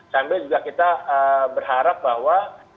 sambil juga kita berharap bahwa